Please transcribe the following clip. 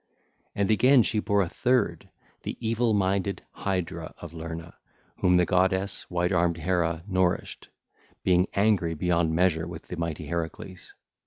And again she bore a third, the evil minded Hydra of Lerna, whom the goddess, white armed Hera nourished, being angry beyond measure with the mighty Heracles.